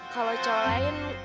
kalau cowok lain